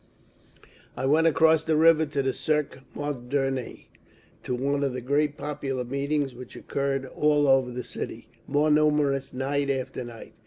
I went across the river to the Cirque Moderne, to one of the great popular meetings which occurred all over the city, more numerous night after night.